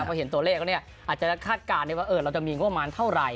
เพราะเห็นตัวเลขอันนี้อาจจะคาดการณ์ว่าเราจะมีงบประมาณเท่าไหร่